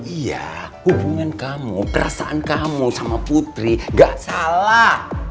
iya hubungan kamu perasaan kamu sama putri gak salah